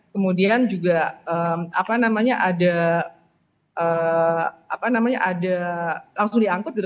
kemudian juga apa namanya ada apa namanya ada langsung diangkut gitu